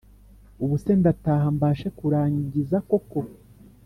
Ubuse ndataha mbashe kurangiza koko